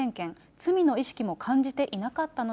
罪の意識も感じていなかったので